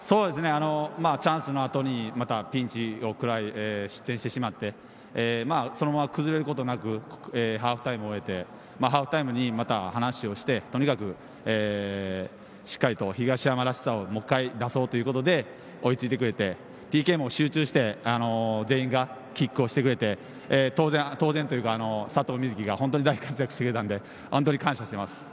チャンスの後にピンチをくらい、失点してしまって、そのまま崩れることなくハーフタイムを終えて、ハーフタイムにまた話をして、とにかく、しっかりと東山らしさをもう一回出そうということで追いついてくれて、ＰＫも集中して、全員がキックをしてくれて、佐藤瑞起が本当に大活躍してくれたので、本当に感謝しています。